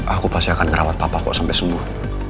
aku pasti akan ngerawat papa kok sampe sembuh